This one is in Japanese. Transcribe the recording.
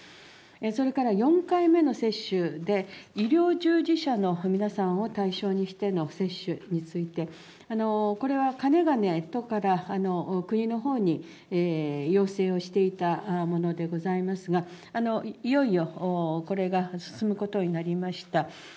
それから４回目の接種で、医療従事者の皆さんを対象にしての接種について、これはかねがね都から国のほうに要請をしていたものでございますが、いよいよこれが進むことになりました。